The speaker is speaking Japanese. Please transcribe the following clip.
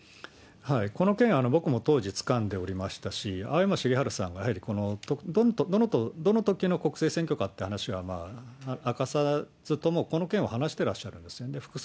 この件、僕も当時、つかんでおりましたし、あおやましげはるさんがやはりこのときの国政選挙かっていう話は明かさずとも、この件を話してらっしゃるんです。